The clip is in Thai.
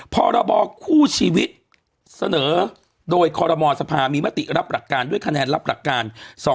พรบคู่ชีวิตเสนอโดยคอรมอสภามีมติรับหลักการด้วยคะแนนรับหลักการ